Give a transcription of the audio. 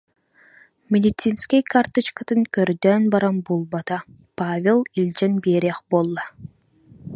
Медицинскэй карточкатын көрдөөн баран булбата, Павел илдьэн биэриэх буолла